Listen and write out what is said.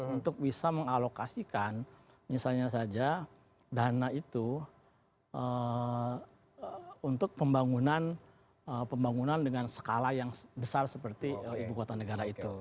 untuk bisa mengalokasikan misalnya saja dana itu untuk pembangunan dengan skala yang besar seperti ibu kota negara itu